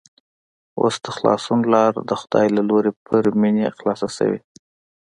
اوس د خلاصون لاره د خدای له لوري پر مينې خلاصه شوې